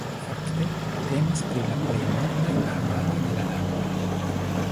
Fakte temas pri la plej nordaj arbaroj de la lando.